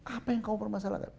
apa yang kamu permasalahkan